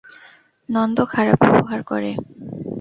নন্দ খারাপ ব্যবহার করে?